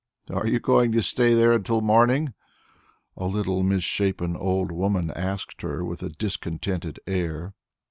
"Are you going to stay there till morning?" a little misshapen old woman asked her with a discontented air.